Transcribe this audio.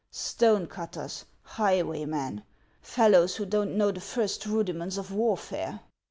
" "Stone cutters, highwaymen, fellows who don't know the first rudiments of warfare